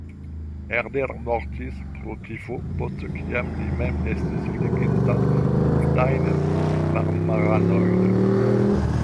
Herder mortis pro tifo post kiam li mem estis fleginta multajn vajmaranojn.